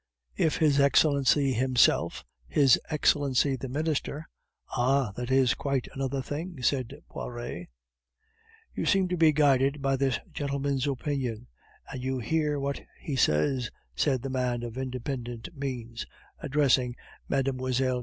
"If his Excellency himself, his Excellency the Minister... Ah! that is quite another thing," said Poiret. "You seem to be guided by this gentleman's opinion, and you hear what he says," said the man of independent means, addressing Mlle.